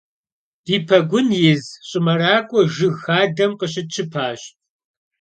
De pegun yiz ş'ımerak'ue jjıg xadem khışıtşıpaş.